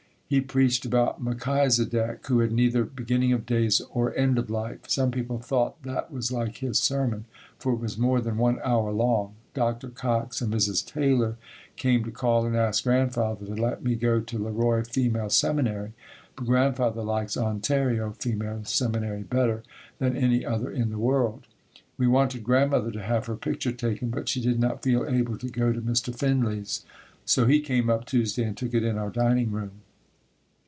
He preached about Melchisidek, who had neither "beginning of days or end of life." Some people thought that was like his sermon, for it was more than one hour long. Dr. Cox and Mrs. Taylor came to call and asked Grandfather to let me go to Le Roy Female Seminary, but Grandfather likes Ontario Female Seminary better than any other in the world. We wanted Grandmother to have her picture taken, but she did not feel able to go to Mr. Finley's, so he came up Tuesday and took it in our dining room.